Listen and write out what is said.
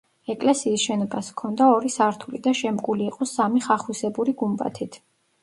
ეკლესიის შენობას ჰქონდა ორი სართული და შემკული იყო სამი ხახვისებური გუმბათით.